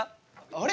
あれ？